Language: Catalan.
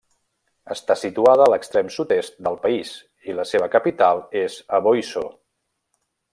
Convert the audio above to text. Està situada a l'extrem sud-est del país i la seva capital és Aboisso.